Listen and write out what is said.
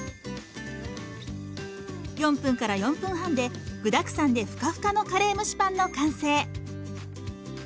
４分から４分半で具だくさんでふかふかのカレー蒸しパンの完成。